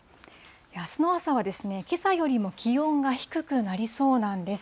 あすの朝はけさよりも気温が低くなりそうなんです。